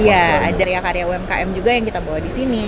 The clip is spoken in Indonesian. iya dari area umkm juga yang kita bawa disini